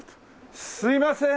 すいません！